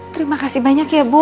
terima kasih banyak ya bu